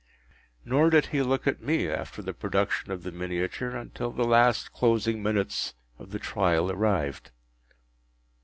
Nor did he look at me, after the production of the miniature, until the last closing minutes of the trial arrived.